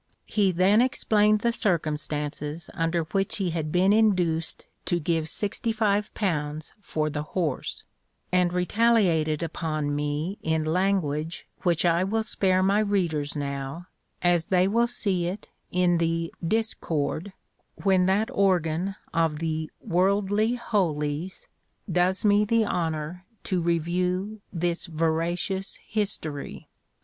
He then explained the circumstances under which he had been induced to give £65 for the horse; and retaliated upon me in language which I will spare my readers now, as they will see it in the 'Discord,' when that organ of the "worldly holies" does me the honour to review this veracious history.